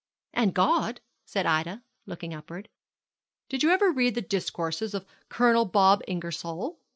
'And God!' said Ida, looking upward. 'Did you ever read the discourses of Colonel Bob Ingersoll?'